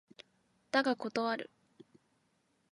だが断る